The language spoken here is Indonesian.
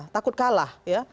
takut kalah ya